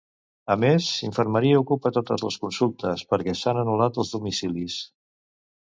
A més, infermeria ocupa totes les consultes, perquè s'han anul·lat els domicilis.